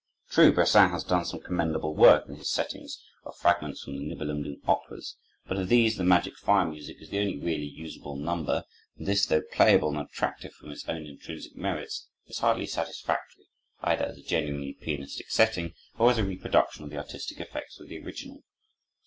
True, Brassin has done some commendable work in his settings of fragments from the Nibelungen operas, but of these the "Magic Fire" music is the only really usable number; and this, though playable and attractive from its own intrinsic merits, is hardly satisfactory, either as a genuinely pianistic setting or as a reproduction of the artistic effects of the original.